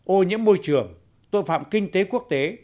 ô nhiễm môi trường tội phạm kinh tế quốc tế